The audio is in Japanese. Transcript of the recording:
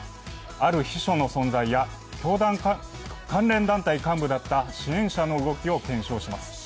ある秘書の存在や教団関連団体幹部だった支援者の動きを検証します。